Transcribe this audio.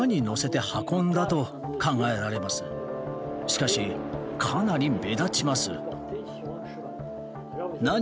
しかしかなり目立ちます。